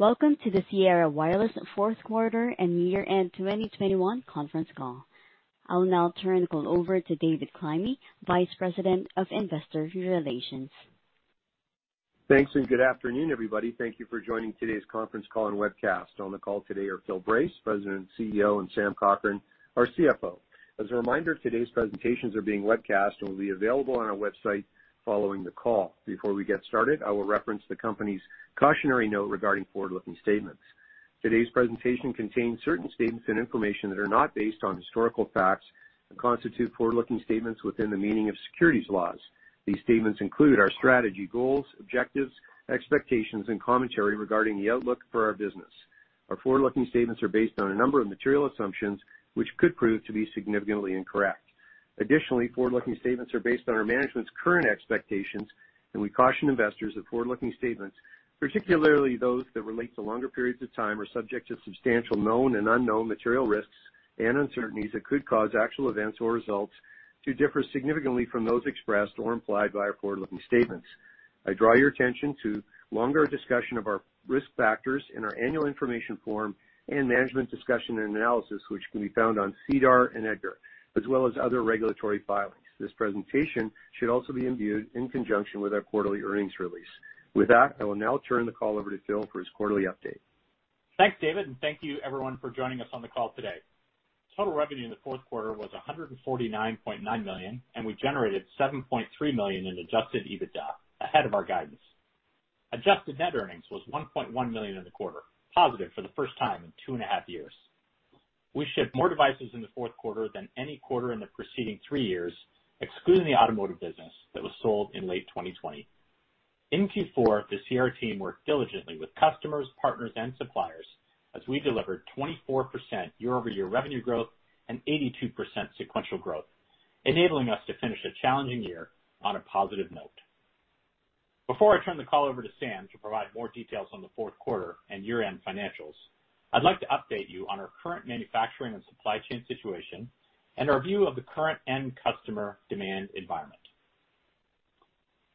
Welcome to the Sierra Wireless fourth quarter and year-end 2021 conference call. I will now turn the call over to David Climie, Vice President of Investor Relations. Thanks, and good afternoon, everybody. Thank you for joining today's conference call and webcast. On the call today are Phil Brace, President and CEO, and Samuel Cochrane, our CFO. As a reminder, today's presentations are being webcast and will be available on our website following the call. Before we get started, I will reference the company's cautionary note regarding forward-looking statements. Today's presentation contains certain statements and information that are not based on historical facts and constitute forward-looking statements within the meaning of securities laws. These statements include our strategy, goals, objectives, expectations and commentary regarding the outlook for our business. Our forward-looking statements are based on a number of material assumptions, which could prove to be significantly incorrect. Additionally, forward-looking statements are based on our management's current expectations, and we caution investors that forward-looking statements, particularly those that relate to longer periods of time, are subject to substantial known and unknown material risks and uncertainties that could cause actual events or results to differ significantly from those expressed or implied by our forward-looking statements. I draw your attention to a longer discussion of our risk factors in our annual information form and management discussion and analysis, which can be found on SEDAR and EDGAR, as well as other regulatory filings. This presentation should also be viewed in conjunction with our quarterly earnings release. With that, I will now turn the call over to Phil for his quarterly update. Thanks, David, and thank you everyone for joining us on the call today. Total revenue in the fourth quarter was $149.9 million, and we generated $7.3 million in adjusted EBITDA, ahead of our guidance. Adjusted net earnings was $1.1 million in the quarter, positive for the first time in two and a half years. We shipped more devices in the fourth quarter than any quarter in the preceding 3 years, excluding the automotive business that was sold in late 2020. In Q4, the Sierra team worked diligently with customers, partners and suppliers as we delivered 24% year-over-year revenue growth and 82% sequential growth, enabling us to finish a challenging year on a positive note. Before I turn the call over to Sam to provide more details on the fourth quarter and year-end financials, I'd like to update you on our current manufacturing and supply chain situation and our view of the current end customer demand environment.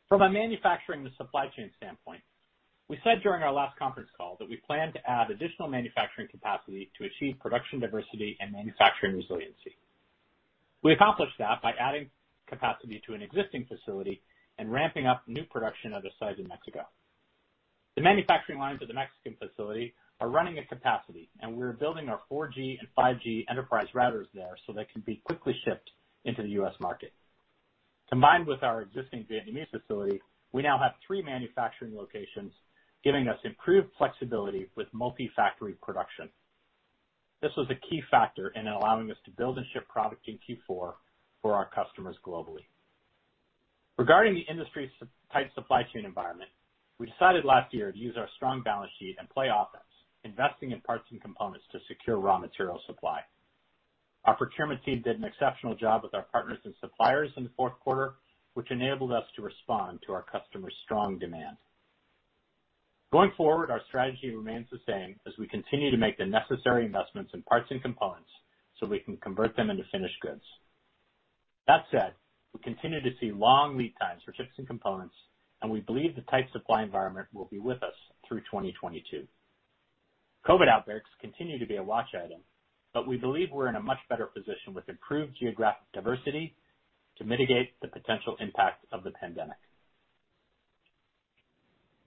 From a manufacturing and supply chain standpoint, we said during our last conference call that we plan to add additional manufacturing capacity to achieve production diversity and manufacturing resiliency. We accomplished that by adding capacity to an existing facility and ramping up new production of the site in Mexico. The manufacturing lines of the Mexican facility are running at capacity, and we're building our 4G and 5G enterprise routers there so they can be quickly shipped into the U.S. market. Combined with our existing Vietnamese facility, we now have three manufacturing locations, giving us improved flexibility with multi-factory production. This was a key factor in allowing us to build and ship product in Q4 for our customers globally. Regarding the industry's tight supply chain environment, we decided last year to use our strong balance sheet and play offense, investing in parts and components to secure raw material supply. Our procurement team did an exceptional job with our partners and suppliers in the fourth quarter, which enabled us to respond to our customers' strong demand. Going forward, our strategy remains the same as we continue to make the necessary investments in parts and components so we can convert them into finished goods. That said, we continue to see long lead times for chips and components, and we believe the tight supply environment will be with us through 2022. COVID-19 outbreaks continue to be a watch item, but we believe we're in a much better position with improved geographic diversity to mitigate the potential impact of the pandemic.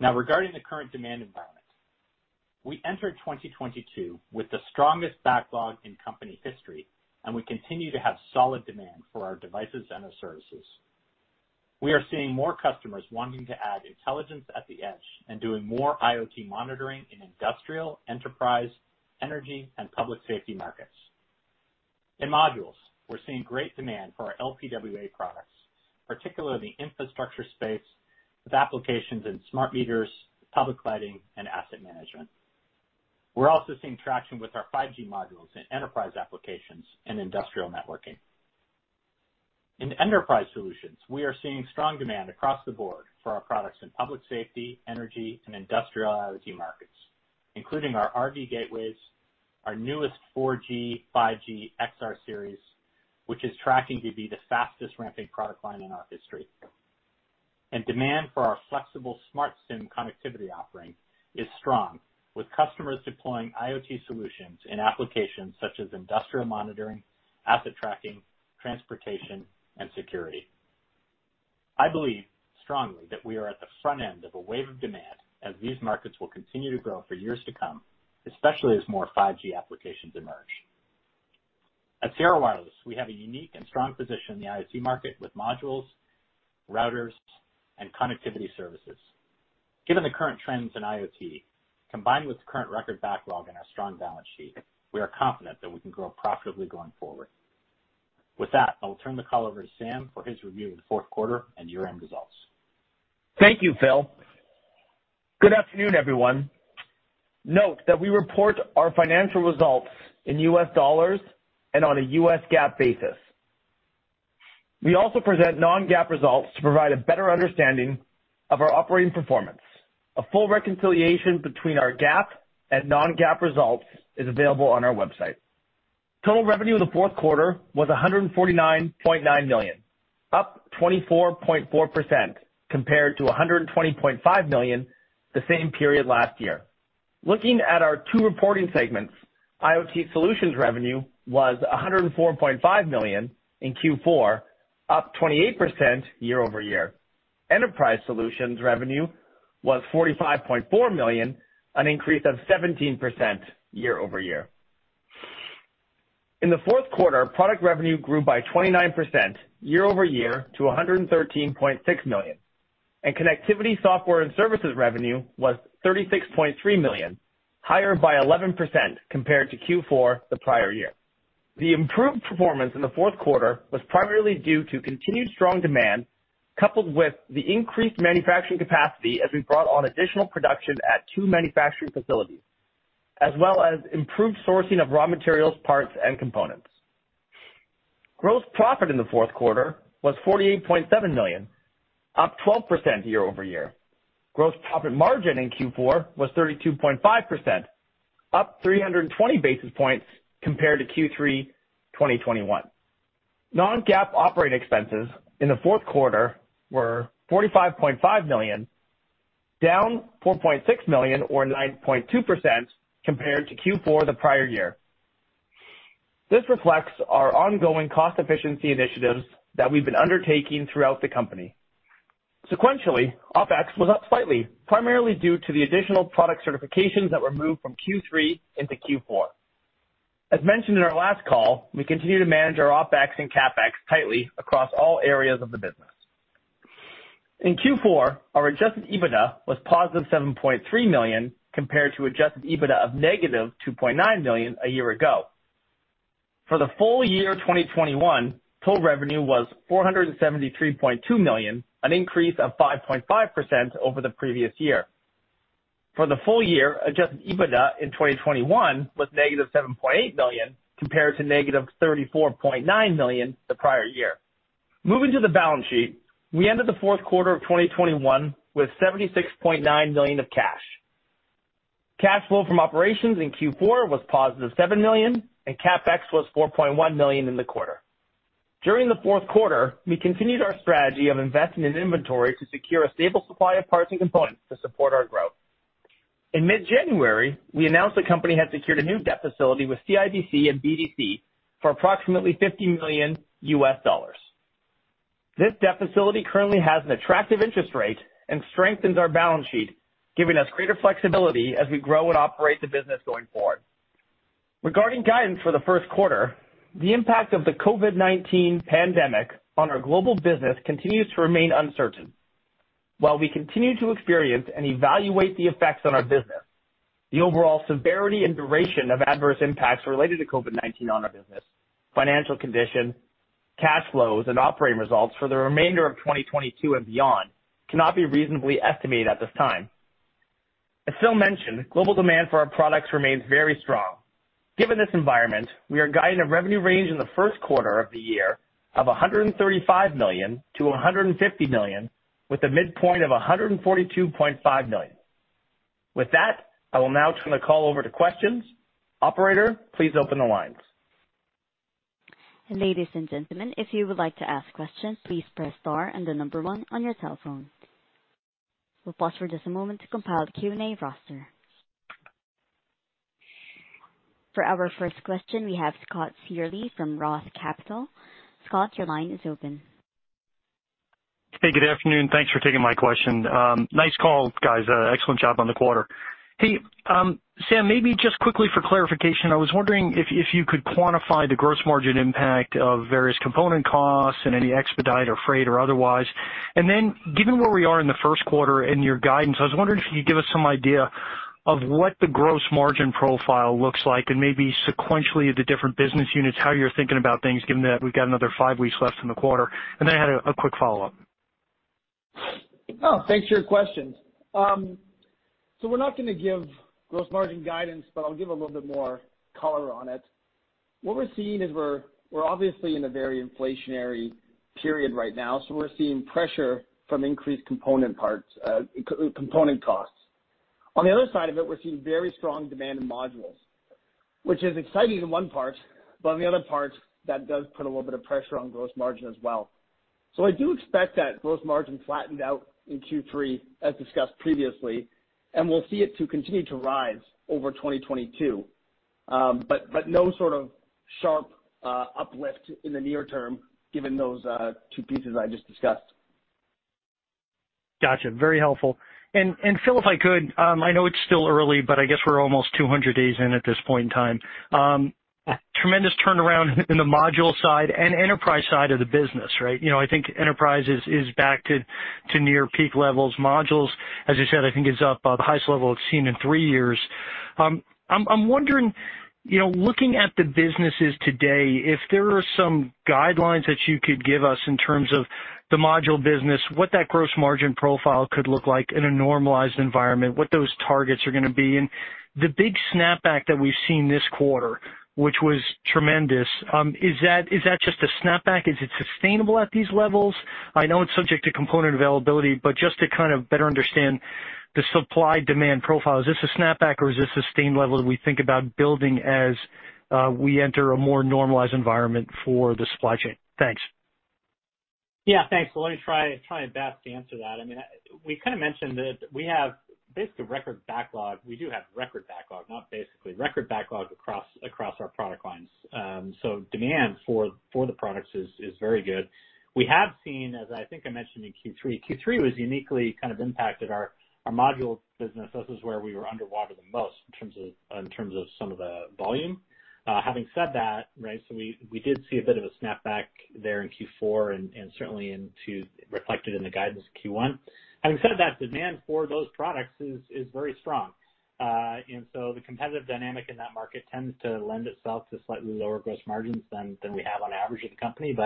Now regarding the current demand environment. We entered 2022 with the strongest backlog in company history, and we continue to have solid demand for our devices and our services. We are seeing more customers wanting to add intelligence at the edge and doing more IoT monitoring in industrial, enterprise, energy, and public safety markets. In modules, we're seeing great demand for our LPWA products, particularly in the infrastructure space with applications in smart meters, public lighting, and asset management. We're also seeing traction with our 5G modules in enterprise applications and industrial networking. In enterprise solutions, we are seeing strong demand across the board for our products in public safety, energy, and industrial IoT markets, including our RV gateways, our newest 4G/5G XR Series, which is tracking to be the fastest ramping product line in our history. Demand for our flexible Smart SIM connectivity offering is strong with customers deploying IoT solutions in applications such as industrial monitoring, asset tracking, transportation, and security. I believe strongly that we are at the front end of a wave of demand as these markets will continue to grow for years to come, especially as more 5G applications emerge. At Sierra Wireless, we have a unique and strong position in the IoT market with modules, routers, and connectivity services. Given the current trends in IoT, combined with current record backlog and our strong balance sheet, we are confident that we can grow profitably going forward. With that, I will turn the call over to Sam for his review of the fourth quarter and year-end results. Thank you, Phil. Good afternoon, everyone. Note that we report our financial results in US dollars and on a US GAAP basis. We also present non-GAAP results to provide a better understanding of our operating performance. A full reconciliation between our GAAP and non-GAAP results is available on our website. Total revenue in the fourth quarter was $149.9 million, up 24.4% compared to $120.5 million the same period last year. Looking at our two reporting segments, IoT Solutions revenue was $104.5 million in Q4, up 28% year-over-year. Enterprise Solutions revenue was $45.4 million, an increase of 17% year-over-year. In the fourth quarter, product revenue grew by 29% year-over-year to $113.6 million, and connectivity software and services revenue was $36.3 million, higher by 11% compared to Q4 the prior year. The improved performance in the fourth quarter was primarily due to continued strong demand, coupled with the increased manufacturing capacity as we brought on additional production at two manufacturing facilities, as well as improved sourcing of raw materials, parts and components. Gross profit in the fourth quarter was $48.7 million, up 12% year-over-year. Gross profit margin in Q4 was 32.5%, up 320 basis points compared to Q3 2021. Non-GAAP operating expenses in the fourth quarter were $45.5 million, down $4.6 million or 9.2% compared to Q4 the prior year. This reflects our ongoing cost efficiency initiatives that we've been undertaking throughout the company. Sequentially, OpEx was up slightly, primarily due to the additional product certifications that were moved from Q3 into Q4. As mentioned in our last call, we continue to manage our OpEx and CapEx tightly across all areas of the business. In Q4, our adjusted EBITDA was $7.3 million compared to adjusted EBITDA of -$2.9 million a year ago. For the full year 2021, total revenue was $473.2 million, an increase of 5.5% over the previous year. For the full year, adjusted EBITDA in 2021 was -$7.8 million compared to -$34.9 million the prior year. Moving to the balance sheet, we ended the fourth quarter of 2021 with $76.9 million of cash. Cash flow from operations in Q4 was positive $7 million, and CapEx was $4.1 million in the quarter. During the fourth quarter, we continued our strategy of investing in inventory to secure a stable supply of parts and components to support our growth. In mid-January, we announced the company had secured a new debt facility with CIBC and BDC for approximately $50 million. This debt facility currently has an attractive interest rate and strengthens our balance sheet, giving us greater flexibility as we grow and operate the business going forward. Regarding guidance for the first quarter, the impact of the COVID-19 pandemic on our global business continues to remain uncertain. While we continue to experience and evaluate the effects on our business, the overall severity and duration of adverse impacts related to COVID-19 on our business, financial condition, cash flows and operating results for the remainder of 2022 and beyond cannot be reasonably estimated at this time. As Phil mentioned, global demand for our products remains very strong. Given this environment, we are guiding a revenue range in the first quarter of the year of $135 million-$150 million, with a midpoint of $142.5 million. With that, I will now turn the call over to questions. Operator, please open the lines. Ladies and gentlemen, if you would like to ask questions, please press star and the number one on your telephone. We'll pause for just a moment to compile a Q&A roster. For our first question, we have Scott Searle from ROTH Capital Partners. Scott, your line is open. Hey, good afternoon. Thanks for taking my question. Nice call, guys. Excellent job on the quarter. Hey, Sam, maybe just quickly for clarification, I was wondering if you could quantify the gross margin impact of various component costs and any expedite or freight or otherwise. Given where we are in the first quarter and your guidance, I was wondering if you could give us some idea of what the gross margin profile looks like and maybe sequentially the different business units, how you're thinking about things, given that we've got another 5 weeks left in the quarter. I had a quick follow-up. Thanks for your questions. We're not gonna give gross margin guidance, but I'll give a little bit more color on it. What we're seeing is we're obviously in a very inflationary period right now, so we're seeing pressure from increased component parts, component costs. On the other side of it, we're seeing very strong demand in modules, which is exciting in one part, but on the other part, that does put a little bit of pressure on gross margin as well. I do expect that gross margin flattened out in Q3, as discussed previously, and we'll see it continue to rise over 2022. No sort of sharp uplift in the near term, given those two pieces I just discussed. Gotcha. Very helpful. Phil, if I could, I know it's still early, but I guess we're almost 200 days in at this point in time. Tremendous turnaround in the module side and enterprise side of the business, right? You know, I think enterprise is back to near peak levels. Modules, as you said, I think is up the highest level it's seen in 3 years. I'm wondering, you know, looking at the businesses today, if there are some guidelines that you could give us in terms of the module business, what that gross margin profile could look like in a normalized environment, what those targets are gonna be. The big snapback that we've seen this quarter, which was tremendous, is that just a snapback? Is it sustainable at these levels? I know it's subject to component availability, but just to kind of better understand. The supply demand profile, is this a snapback or is this a sustained level that we think about building as we enter a more normalized environment for the supply chain? Thanks. Yeah, thanks. Well, let me try my best to answer that. I mean, we kinda mentioned that we have basically record backlog. We do have record backlog, not basically, record backlog across our product lines. So demand for the products is very good. We have seen, as I think I mentioned in Q3 was uniquely kind of impacted our module business. This is where we were underwater the most in terms of some of the volume. Having said that, right, so we did see a bit of a snapback there in Q4 and certainly into Q1, reflected in the guidance Q1. Having said that, demand for those products is very strong. The competitive dynamic in that market tends to lend itself to slightly lower gross margins than we have on average at the company.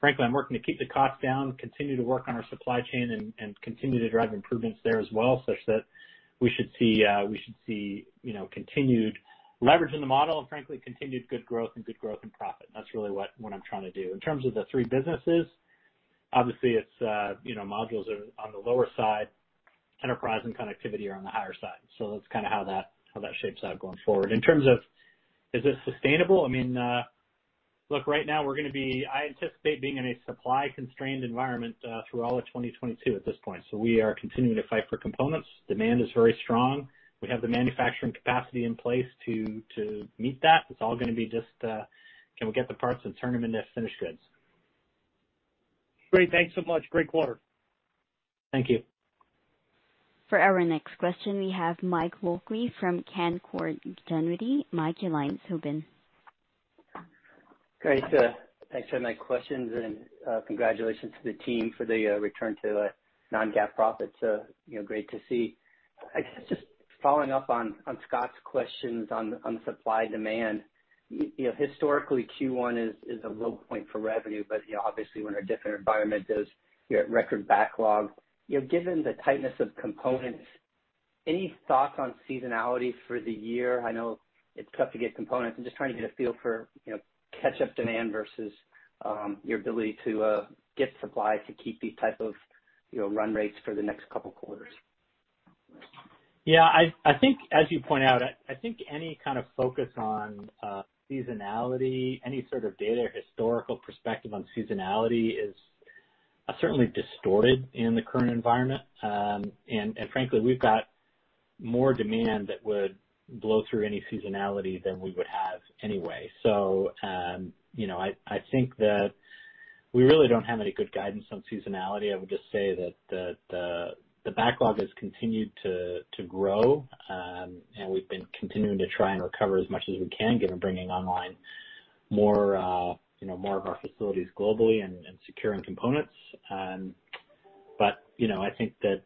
Frankly, I'm working to keep the costs down, continue to work on our supply chain and continue to drive improvements there as well, such that we should see, you know, continued leverage in the model and frankly, continued good growth in profit. That's really what I'm trying to do. In terms of the three businesses, obviously it's, you know, modules are on the lower side, enterprise and connectivity are on the higher side. That's how that shapes out going forward. In terms of is this sustainable, I mean, look, right now I anticipate being in a supply-constrained environment, through all of 2022 at this point. We are continuing to fight for components. Demand is very strong. We have the manufacturing capacity in place to meet that. It's all gonna be just, can we get the parts and turn them into finished goods? Great. Thanks so much. Great quarter. Thank you. For our next question, we have Mike Walkley from Canaccord Genuity. Mike, your line's open. Great. Thanks for my questions and, congratulations to the team for the return to non-GAAP profits. You know, great to see. I guess just following up on Scott's questions on the supply demand. You know, historically, Q1 is a low point for revenue, but, you know, obviously we're in a different environment, there's, you know, record backlog. You know, given the tightness of components, any thoughts on seasonality for the year? I know it's tough to get components. I'm just trying to get a feel for, you know, catch-up demand versus, your ability to get supply to keep these type of, you know, run rates for the next couple quarters. Yeah. I think as you point out, I think any kind of focus on seasonality, any sort of data or historical perspective on seasonality is certainly distorted in the current environment. Frankly, we've got more demand that would blow through any seasonality than we would have anyway. You know, I think that we really don't have any good guidance on seasonality. I would just say that the backlog has continued to grow, and we've been continuing to try and recover as much as we can, given bringing online more, you know, more of our facilities globally and securing components. You know, I think that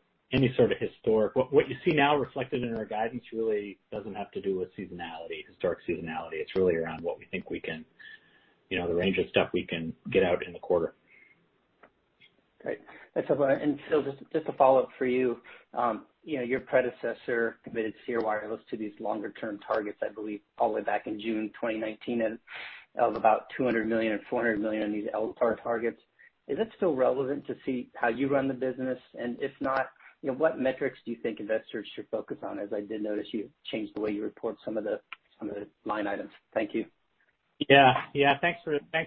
what you see now reflected in our guidance really doesn't have to do with seasonality, historic seasonality. It's really around what we think we can, you know, the range of stuff we can get out in the quarter. Great. That's helpful. Phil, just a follow-up for you. You know, your predecessor committed Sierra Wireless to these longer term targets, I believe all the way back in June 2019. That was about $200 million and $400 million on these LTAR targets. Is that still relevant to see how you run the business? If not, you know, what metrics do you think investors should focus on, as I did notice you changed the way you report some of the line items. Thank you. Yeah. Thanks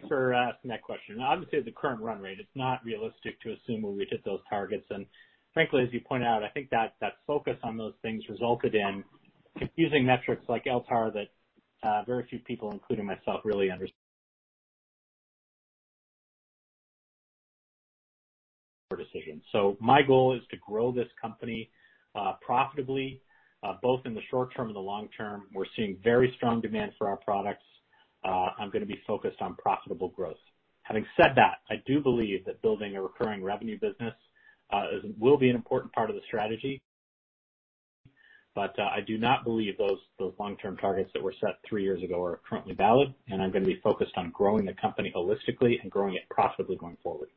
for asking that question. Obviously, at the current run rate, it's not realistic to assume we'll reach those targets. Frankly, as you point out, I think that focus on those things resulted in confusing metrics like LTAR that very few people, including myself, really understand. My goal is to grow this company profitably both in the short term and the long term. We're seeing very strong demand for our products. I'm gonna be focused on profitable growth. Having said that, I do believe that building a recurring revenue business will be an important part of the strategy. I do not believe those long-term targets that were set three years ago are currently valid, and I'm gonna be focused on growing the company holistically and growing it profitably going forward.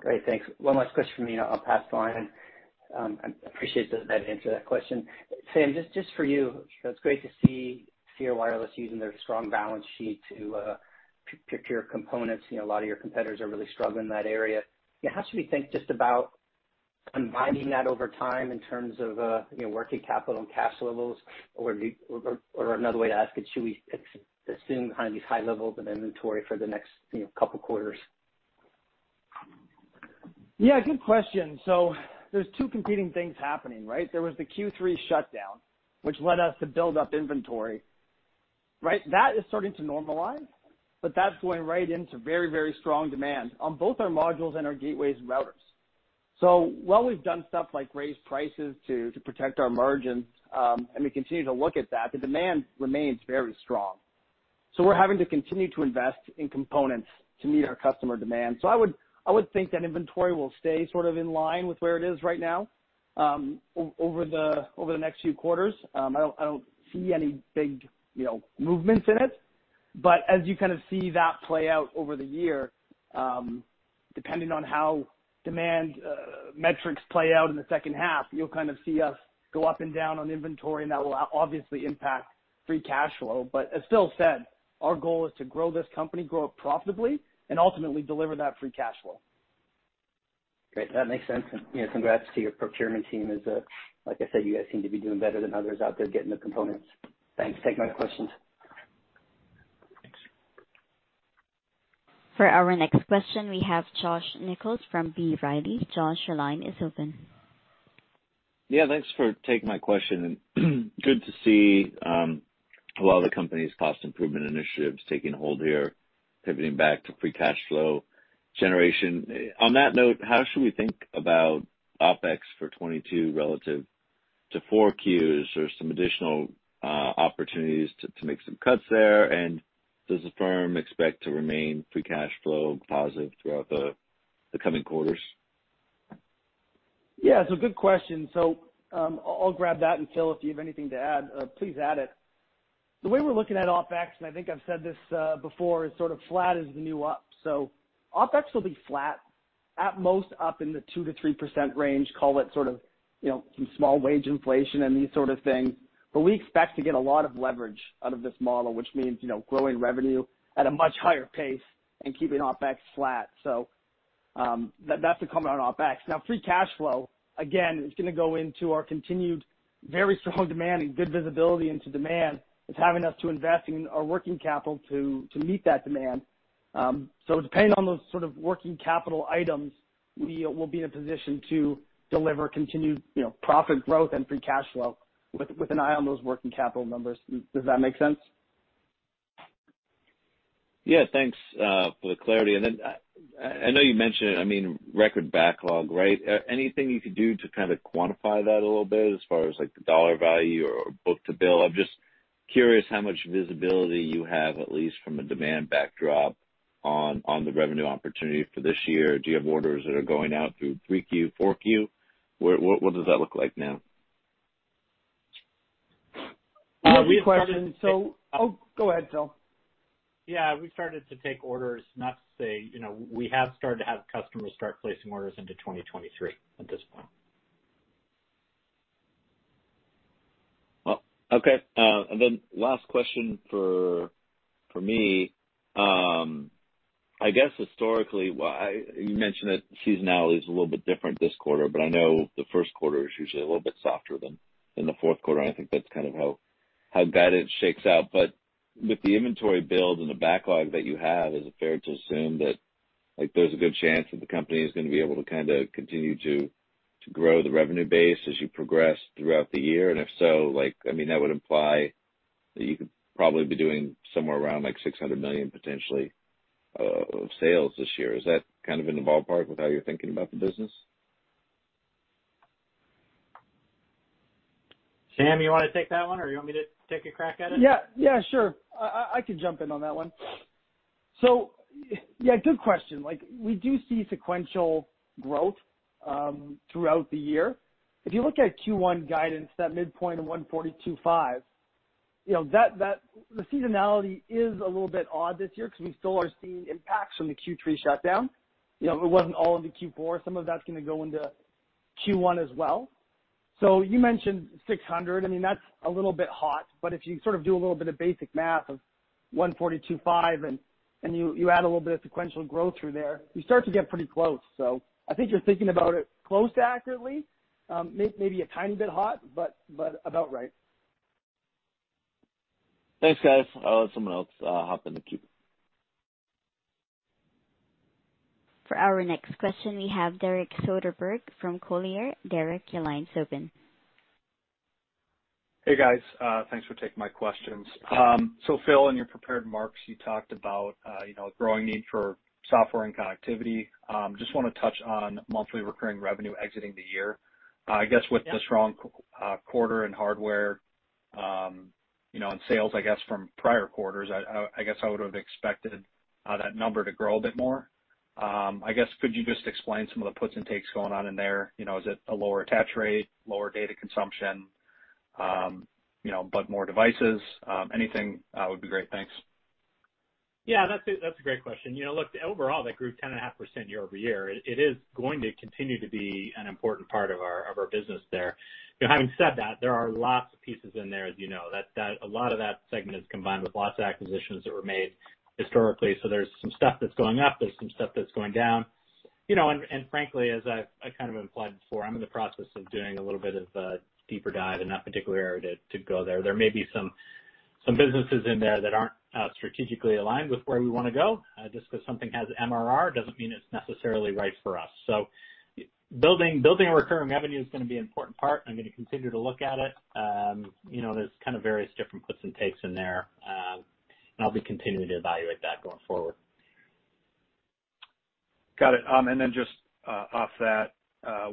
Great. Thanks. One last question from me, I'll pass the line. I appreciate that answer to that question. Sam, just for you. It's great to see Sierra Wireless using their strong balance sheet to procure components. You know, a lot of your competitors are really struggling in that area. Yeah, how should we think just about unwinding that over time in terms of you know, working capital and cash levels? Or another way to ask it, should we assume kind of these high levels of inventory for the next, you know, couple quarters? Yeah, good question. There's two competing things happening, right? There was the Q3 shutdown, which led us to build up inventory, right? That is starting to normalize, but that's going right into very, very strong demand on both our modules and our gateways and routers. While we've done stuff like raise prices to protect our margins, and we continue to look at that, the demand remains very strong. We're having to continue to invest in components to meet our customer demand. I would think that inventory will stay sort of in line with where it is right now, over the next few quarters. I don't see any big, you know, movements in it. As you kind of see that play out over the year, depending on how demand metrics play out in the second half, you'll kind of see us go up and down on inventory, and that will obviously impact free cash flow. As Phil said, our goal is to grow this company, grow it profitably, and ultimately deliver that free cash flow. Great. That makes sense. You know, congrats to your procurement team as, like I said, you guys seem to be doing better than others out there getting the components. Thanks. Take my questions. For our next question, we have Josh Nichols from B. Riley. Josh, your line is open. Yeah, thanks for taking my question and good to see a lot of the company's cost improvement initiatives taking hold here, pivoting back to free cash flow generation. On that note, how should we think about OpEx for 2022 relative to four Qs or some additional opportunities to make some cuts there? And does the firm expect to remain free cash flow positive throughout the coming quarters? Yeah. Good question. I'll grab that, and Phil, if you have anything to add, please add it. The way we're looking at OpEx, and I think I've said this before, is sort of flat is the new up. OpEx will be flat at most up in the 2%-3% range, call it sort of, you know, some small wage inflation and these sort of things. We expect to get a lot of leverage out of this model, which means, you know, growing revenue at a much higher pace and keeping OpEx flat. That, that's the comment on OpEx. Now free cash flow, again, it's gonna go into our continued very strong demand and good visibility into demand. It's having us to invest in our working capital to meet that demand. Depending on those sort of working capital items, we will be in a position to deliver continued, you know, profit growth and free cash flow with an eye on those working capital numbers. Does that make sense? Yeah. Thanks for the clarity. I know you mentioned, I mean, record backlog, right? Anything you could do to kind of quantify that a little bit as far as like the dollar value or book to bill? I'm just curious how much visibility you have at least from a demand backdrop on the revenue opportunity for this year. Do you have orders that are going out through 3Q, 4Q? What does that look like now? We have started. Good question. Oh, go ahead, Phil. Yeah. We've started to take orders, not to say, you know, we have started to have customers start placing orders into 2023 at this point. Well, okay. Last question for me. I guess historically, why you mentioned that seasonality is a little bit different this quarter, but I know the first quarter is usually a little bit softer than the fourth quarter, and I think that's kind of how guidance shakes out. With the inventory build and the backlog that you have, is it fair to assume that, like, there's a good chance that the company is gonna be able to kind of continue to grow the revenue base as you progress throughout the year? And if so, like, I mean, that would imply that you could probably be doing somewhere around like $600 million potentially of sales this year. Is that kind of in the ballpark with how you're thinking about the business? Sam, you wanna take that one or you want me to take a crack at it? Yeah. Yeah, sure. I can jump in on that one. Yeah, good question. Like, we do see sequential growth throughout the year. If you look at Q1 guidance, that midpoint of $142.5 million, you know, that the seasonality is a little bit odd this year 'cause we still are seeing impacts from the Q3 shutdown. You know, it wasn't all into Q4. Some of that's gonna go into Q1 as well. You mentioned $600 million. I mean, that's a little bit hot, but if you sort of do a little bit of basic math of $142.5 million and you add a little bit of sequential growth through there, you start to get pretty close. I think you're thinking about it close to accurately, maybe a tiny bit hot, but about right. Thanks, guys. I'll let someone else hop in the queue. For our next question, we have Derek Soderberg from Colliers. Derek, your line's open. Hey, guys. Thanks for taking my questions. Phil, in your prepared remarks, you talked about, you know, a growing need for software and connectivity. Just wanna touch on monthly recurring revenue exiting the year. I guess with- Yeah. the strong quarter in hardware, you know, on sales, I guess, from prior quarters, I guess I would've expected that number to grow a bit more. I guess could you just explain some of the puts and takes going on in there? You know, is it a lower attach rate, lower data consumption, you know, but more devices? Anything would be great. Thanks. Yeah, that's a great question. You know, look, overall, that grew 10.5% year-over-year. It is going to continue to be an important part of our business there. You know, having said that, there are lots of pieces in there, as you know, that a lot of that segment is combined with lots of acquisitions that were made historically. There's some stuff that's going up, there's some stuff that's going down, you know, and frankly, as I've kind of implied before, I'm in the process of doing a little bit of a deeper dive in that particular area to go there. There may be some businesses in there that aren't strategically aligned with where we wanna go. Just 'cause something has MRR doesn't mean it's necessarily right for us. Building a recurring revenue is gonna be an important part. I'm gonna continue to look at it. You know, there's kind of various different puts and takes in there, and I'll be continuing to evaluate that going forward. Got it. Just off that,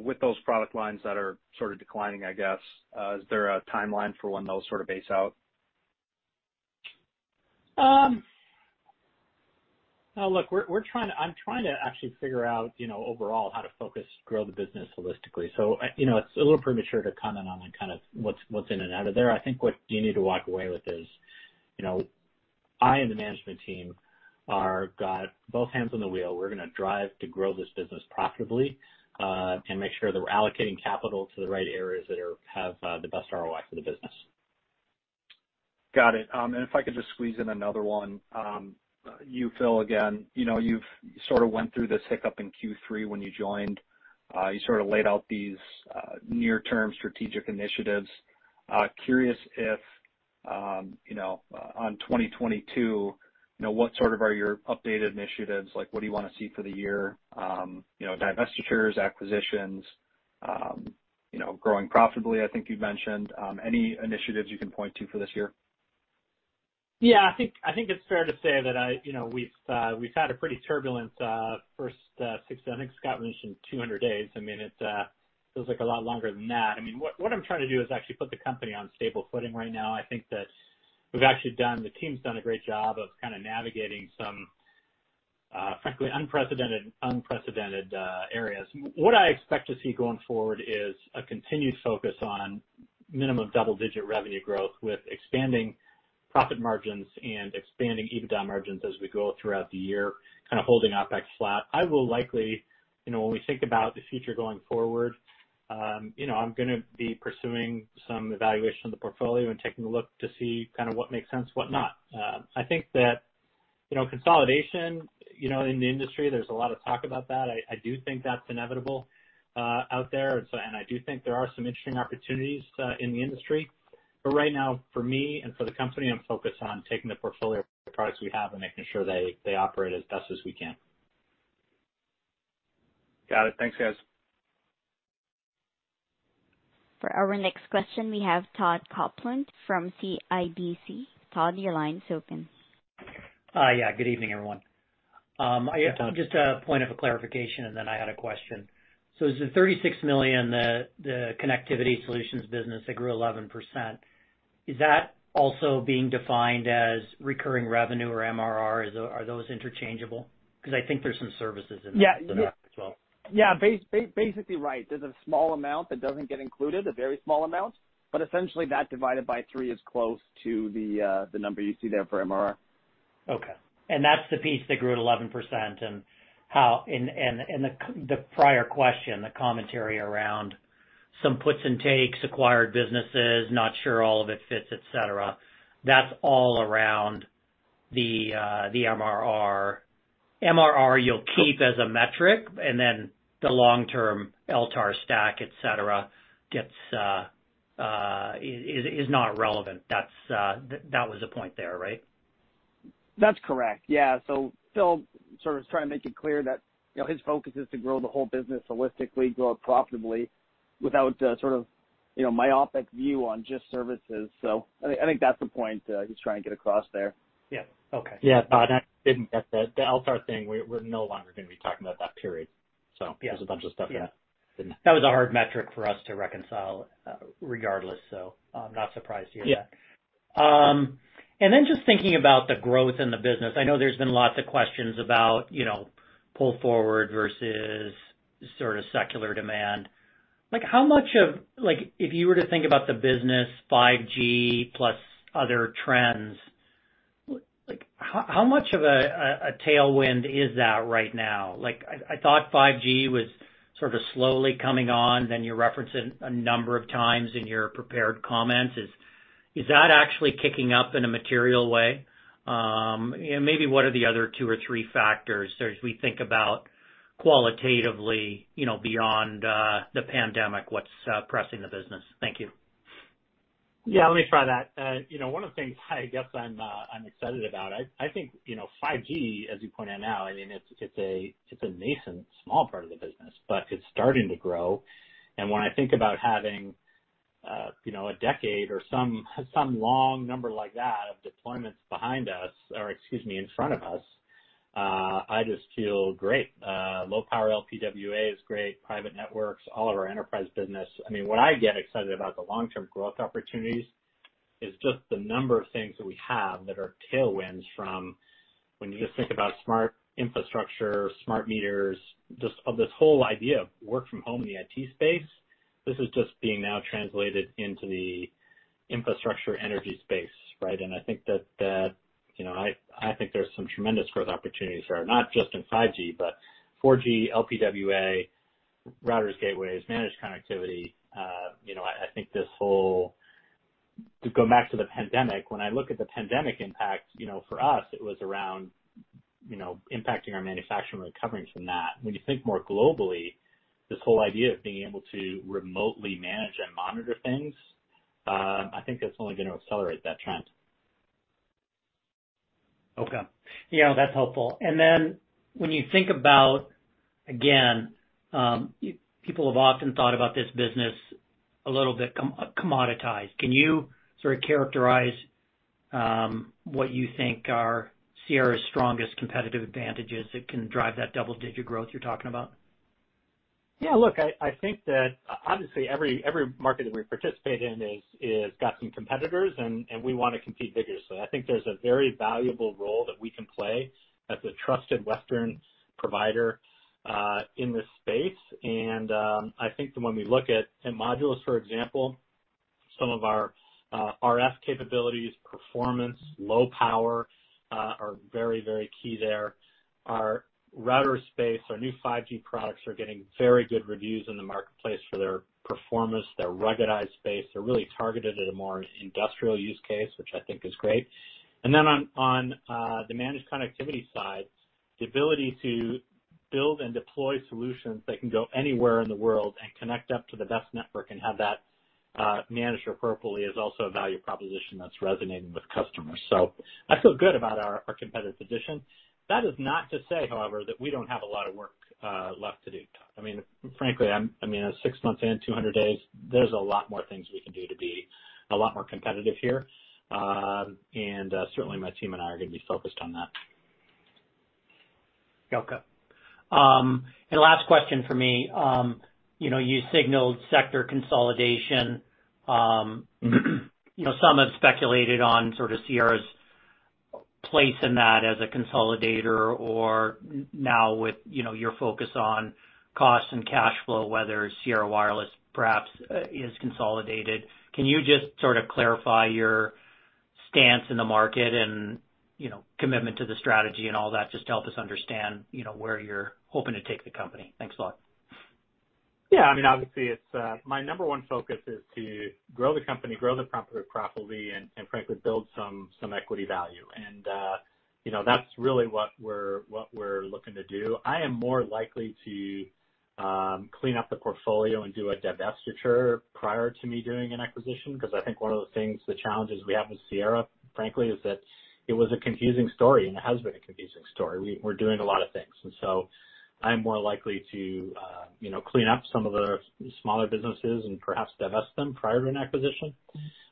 with those product lines that are sort of declining, I guess, is there a timeline for when those sort of base out? No, look, I'm trying to actually figure out, you know, overall how to focus, grow the business holistically. You know, it's a little premature to comment on kind of what's in and out of there. I think what you need to walk away with is, you know, I and the management team got both hands on the wheel. We're gonna drive to grow this business profitably, and make sure that we're allocating capital to the right areas that have the best ROI for the business. Got it. If I could just squeeze in another one, you, Phil, again, you know, you've sort of went through this hiccup in Q3 when you joined. You sort of laid out these, near-term strategic initiatives. Curious if, you know, on 2022, you know, what sort of are your updated initiatives? Like, what do you wanna see for the year? You know, divestitures, acquisitions, you know, growing profitably, I think you'd mentioned. Any initiatives you can point to for this year? Yeah, I think it's fair to say that I—you know, we've had a pretty turbulent first 200 days. I mean, it feels like a lot longer than that. I mean, what I'm trying to do is actually put the company on stable footing right now. I think that we've actually done—the team's done a great job of kind of navigating some, frankly, unprecedented areas. What I expect to see going forward is a continued focus on minimum double-digit revenue growth with expanding profit margins and expanding EBITDA margins as we go throughout the year, kind of holding OpEx flat. I will likely, you know, when we think about the future going forward, I'm gonna be pursuing some evaluation of the portfolio and taking a look to see kind of what makes sense, what not. I think that, you know, consolidation, you know, in the industry, there's a lot of talk about that. I do think that's inevitable out there. I do think there are some interesting opportunities in the industry. Right now, for me and for the company, I'm focused on taking the portfolio of products we have and making sure they operate as best as we can. Got it. Thanks, guys. For our next question, we have Todd Coupland from CIBC. Todd, your line is open. Yeah, good evening, everyone. Hi, Todd. Just a point of clarification, and then I had a question. Is the $36 million, the Connectivity Solutions business that grew 11%, also being defined as recurring revenue or MRR? Are those interchangeable? 'Cause I think there's some services in that. Yeah. as well. Yeah, basically right. There's a small amount that doesn't get included, a very small amount. Essentially that divided by 3 is close to the number you see there for MRR. Okay. That's the piece that grew at 11% and how the prior question, the commentary around some puts and takes, acquired businesses, not sure all of it fits, et cetera, that's all around the MRR. MRR you'll keep as a metric, and then the long-term LTAR stack, et cetera, is not relevant. That was the point there, right? That's correct. Yeah. Phil sort of was trying to make it clear that, you know, his focus is to grow the whole business holistically, grow it profitably without sort of, you know, myopic view on just services. I think that's the point he's trying to get across there. Yeah. Okay. Yeah. Todd, I didn't get the LTAR thing. We're no longer gonna be talking about that, period. Yeah. There's a bunch of stuff that didn't- That was a hard metric for us to reconcile, regardless, so I'm not surprised to hear that. Yeah. Just thinking about the growth in the business. I know there's been lots of questions about, you know, pull forward versus sort of secular demand. Like, if you were to think about the business, 5G plus other trends, like, how much of a tailwind is that right now? Like, I thought 5G was sort of slowly coming on, then you referenced it a number of times in your prepared comments. Is that actually kicking up in a material way? Maybe what are the other two or three factors as we think about qualitatively, you know, beyond the pandemic, what's pressing the business? Thank you. Yeah. Let me try that. You know, one of the things I guess I'm excited about, I think, you know, 5G, as you pointed out now, I mean, it's a nascent small part of the business, but it's starting to grow. When I think about having, you know, a decade or some long number like that of deployments behind us, or excuse me, in front of us, I just feel great. Low-power LPWA is great. Private networks, all of our enterprise business. I mean, when I get excited about the long-term growth opportunities is just the number of things that we have that are tailwinds from when you just think about smart infrastructure, smart meters, just of this whole idea of work from home in the IT space, this is just being now translated into the infrastructure energy space, right? I think that, you know, I think there's some tremendous growth opportunities there, not just in 5G, but 4G, LPWA, routers, gateways, managed connectivity. You know, I think. To go back to the pandemic, when I look at the pandemic impact, you know, for us, it was around, you know, impacting our manufacturing, recovering from that. When you think more globally, this whole idea of being able to remotely manage and monitor things, I think that's only gonna accelerate that trend. Okay. Yeah, that's helpful. Then when you think about, again, people have often thought about this business a little bit commoditized. Can you sort of characterize what you think are Sierra's strongest competitive advantages that can drive that double-digit growth you're talking about? Yeah. Look, I think that obviously every market that we participate in is got some competitors and we wanna compete vigorously. I think there's a very valuable role that we can play as a trusted Western provider in this space. I think that when we look at modules, for example, some of our RF capabilities, performance, low power are very key there. Our router space, our new 5G products are getting very good reviews in the marketplace for their performance, their ruggedized space. They're really targeted at a more industrial use case, which I think is great. On the managed connectivity side, the ability to build and deploy solutions that can go anywhere in the world and connect up to the best network and have that managed appropriately is also a value proposition that's resonating with customers. I feel good about our competitive position. That is not to say, however, that we don't have a lot of work left to do. I mean, frankly, 6 months in, 200 days, there's a lot more things we can do to be a lot more competitive here. Certainly, my team and I are gonna be focused on that. Okay. Last question for me. You know, you signaled sector consolidation. You know, some have speculated on sort of Sierra's place in that as a consolidator or now with, you know, your focus on cost and cash flow, whether Sierra Wireless perhaps is consolidated. Can you just sort of clarify your stance in the market and, you know, commitment to the strategy and all that just to help us understand, you know, where you're hoping to take the company? Thanks a lot. Yeah. I mean, obviously, it's my number one focus is to grow the company, grow profitably and frankly, build some equity value. You know, that's really what we're looking to do. I am more likely to clean up the portfolio and do a divestiture prior to me doing an acquisition, 'cause I think one of the things, the challenges we have with Sierra, frankly, is that it was a confusing story, and it has been a confusing story. We're doing a lot of things. I'm more likely to you know, clean up some of the smaller businesses and perhaps divest them prior to an acquisition.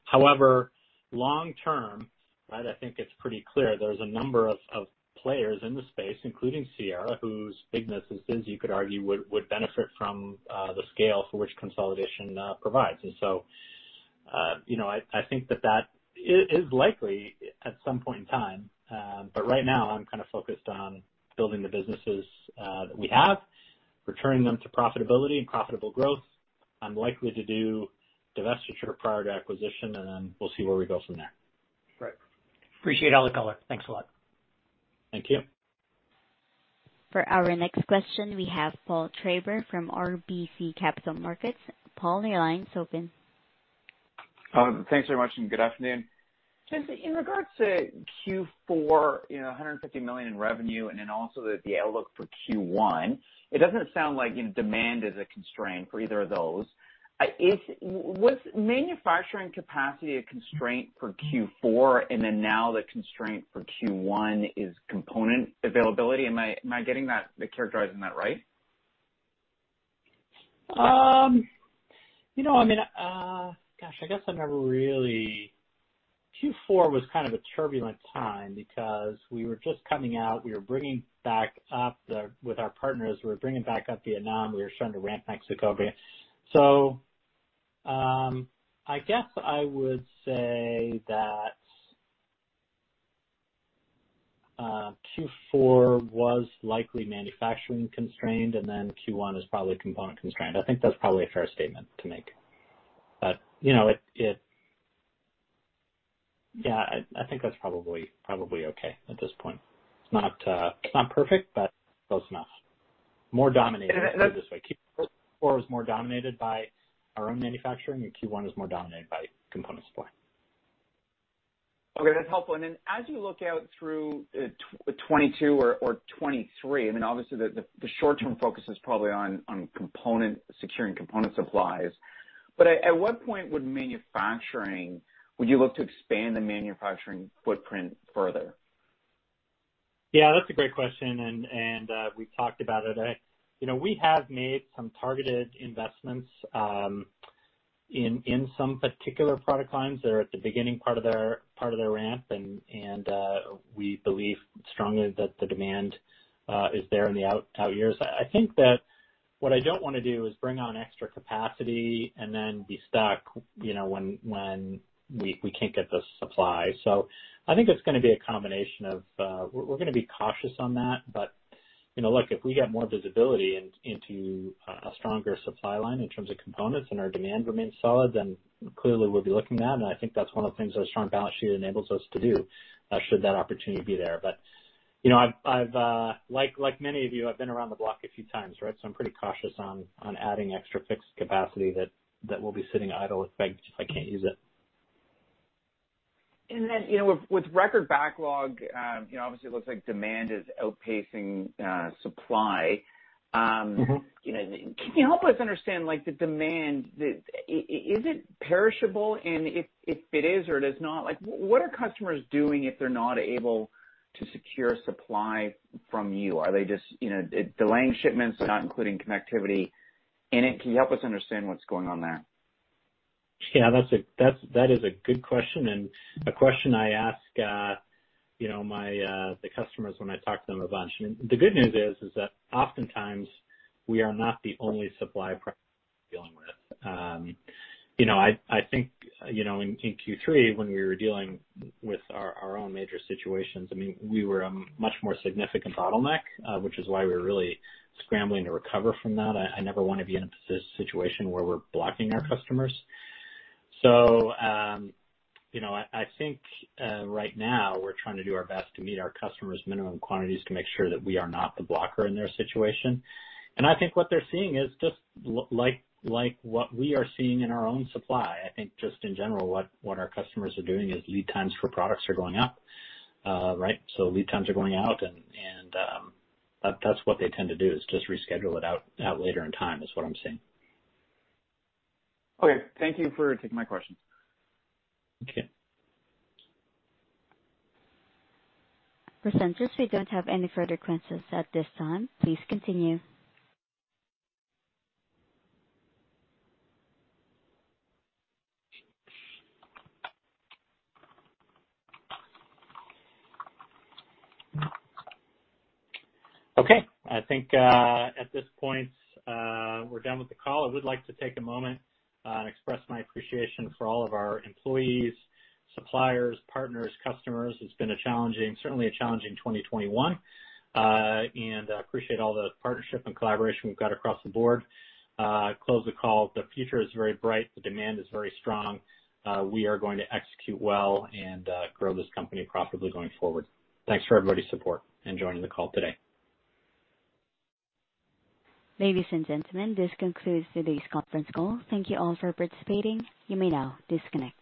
However, long term, right, I think it's pretty clear there's a number of players in the space, including Sierra, whose businesses you could argue would benefit from the scale for which consolidation provides. You know, I think that is likely at some point in time. Right now, I'm kind of focused on building the businesses that we have, returning them to profitability and profitable growth. I'm likely to do divestiture prior to acquisition, and then we'll see where we go from there. Right. Appreciate all the color. Thanks a lot. Thank you. For our next question, we have Paul Treiber from RBC Capital Markets. Paul, your line is open. Thanks very much, and good afternoon. Phil Brace, in regards to Q4, you know, $150 million in revenue, and then also the outlook for Q1, it doesn't sound like, you know, demand is a constraint for either of those. Was manufacturing capacity a constraint for Q4, and then now the constraint for Q1 is component availability? Am I getting that, the characterization of that right? You know, I mean, gosh, Q4 was kind of a turbulent time because we were just coming out. With our partners, we were bringing back up Vietnam. We were starting to ramp Mexico. I guess I would say that Q4 was likely manufacturing constrained, and then Q1 is probably component constrained. I think that's probably a fair statement to make. You know, it. Yeah. I think that's probably okay at this point. It's not perfect, but close enough. More dominated. And, and that- Put it this way, Q4 is more dominated by our own manufacturing, and Q1 is more dominated by component supply. Okay, that's helpful. As you look out through 2022 or 2023, I mean, obviously the short-term focus is probably on securing component supplies. At what point would you look to expand the manufacturing footprint further? Yeah, that's a great question. We've talked about it. You know, we have made some targeted investments in some particular product lines that are at the beginning part of their ramp, and we believe strongly that the demand is there in the out years. I think that what I don't wanna do is bring on extra capacity and then be stuck, you know, when we can't get the supply. I think it's gonna be a combination of, we're gonna be cautious on that. You know, look, if we get more visibility into a stronger supply line in terms of components and our demand remains solid, then clearly we'll be looking at that. I think that's one of the things a strong balance sheet enables us to do, should that opportunity be there. You know, I've like many of you, I've been around the block a few times, right? I'm pretty cautious on adding extra fixed capacity that will be sitting idle if I can't use it. you know, with record backlog, you know, obviously it looks like demand is outpacing supply. Mm-hmm. You know, can you help us understand, like, the demand, is it perishable? If it is or it is not, like, what are customers doing if they're not able to secure supply from you? Are they just, you know, delaying shipments, not including connectivity in it? Can you help us understand what's going on there? Yeah. That is a good question, and a question I ask, you know, my, the customers when I talk to them a bunch. The good news is that oftentimes we are not the only supply dealing with. I think in Q3, when we were dealing with our own major situations, I mean, we were a much more significant bottleneck, which is why we were really scrambling to recover from that. I never wanna be in a situation where we're blocking our customers. I think right now we're trying to do our best to meet our customers' minimum quantities to make sure that we are not the blocker in their situation. I think what they're seeing is just like what we are seeing in our own supply. I think just in general, what our customers are doing is lead times for products are going up. Right? Lead times are going out and that's what they tend to do, is just reschedule it out later in time, is what I'm seeing. Okay. Thank you for taking my questions. Okay. Presenters, we don't have any further questions at this time. Please continue. Okay. I think at this point we're done with the call. I would like to take a moment and express my appreciation for all of our employees, suppliers, partners, customers. It's been a challenging, certainly, 2021. I appreciate all the partnership and collaboration we've got across the board. Close the call. The future is very bright. The demand is very strong. We are going to execute well and grow this company profitably going forward. Thanks for everybody's support in joining the call today. Ladies and gentlemen, this concludes today's conference call. Thank you all for participating. You may now disconnect.